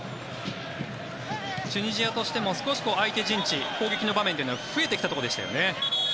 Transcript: チュニジアとしても少し相手陣地で攻撃の場面というのが増えてきたところでしたよね。